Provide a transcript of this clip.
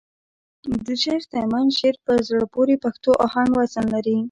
د شېخ تیمن شعر په زړه پوري پښتو آهنګ وزن لري.